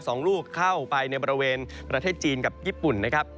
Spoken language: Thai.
สองลูกเข้าไปในบริเวณประเทศจีนกับญี่ปุ่นนะครับ